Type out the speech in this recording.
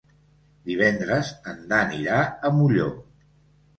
Divendres en Dan irà a Molló.